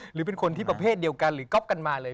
หรือเป็นคนที่ประเภทเดียวกันหรือก๊อปกันมาเลย